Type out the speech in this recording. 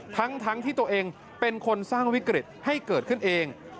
ทั้งที่ตัวเองเป็นคนสร้างวิกฤตให้เกิดขึ้นเอง